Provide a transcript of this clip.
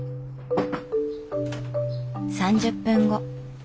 ３０分後。